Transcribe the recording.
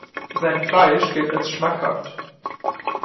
Sein Fleisch gilt als schmackhaft.